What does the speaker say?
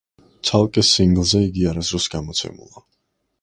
ცალკე სინგლზე იგი არასოდეს გამოცემულა.